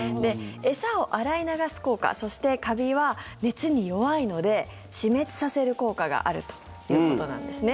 餌を洗い流す効果そして、カビは熱に弱いので死滅させる効果があるということなんですね。